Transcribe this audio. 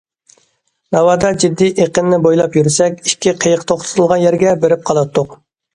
ناۋادا جىددىي ئېقىننى بويلاپ يۈرسەك ئىككى قېيىق توختىتىلغان يەرگە بېرىپ قالاتتۇق.